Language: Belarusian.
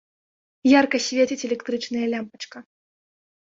Ярка свеціць электрычная лямпачка.